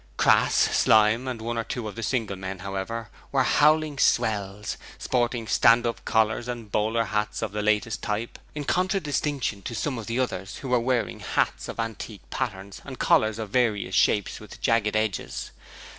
Crass, Slyme and one or two of the single men, however, were howling swells, sporting stand up collars and bowler hats of the latest type, in contradistinction to some of the others, who were wearing hats of antique patterns, and collars of various shapes with jagged edges.